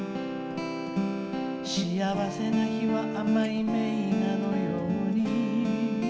「幸せな日は甘い名画のように」